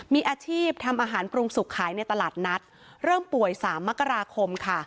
มีอาชีพทำอาหารปรุงสุกขายในตลาดนัดเริ่มป่วยสามมกราคมค่ะ